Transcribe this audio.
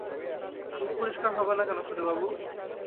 জিভ পরিষ্কার হবে না কেন ছোটবাবু?